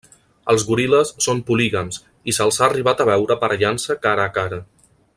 Els goril·les són polígams, i se'ls ha arribat a veure aparellant-se cara a cara.